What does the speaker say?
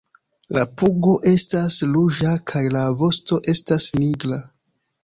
La pugo estas ruĝa kaj la vosto estas nigra.